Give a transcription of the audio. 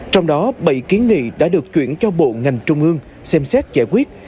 trong đó bảy kiến nghị đã được chuyển cho bộ ngành trung ương xem xét giải quyết